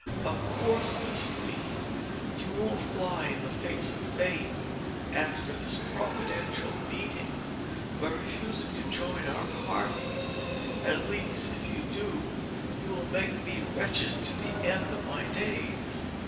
Of course, Miss Lee, you won't fly in the face of Fate, after this providential meeting, by refusing to join our party; at least if you do you will make me wretched to the end of my days.